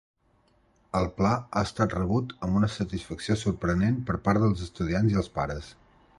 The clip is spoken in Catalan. El pla ha estat rebut amb una satisfacció sorprenent per part dels estudiants i els pares.